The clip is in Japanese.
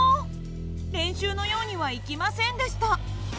練習のようにはいきませんでした。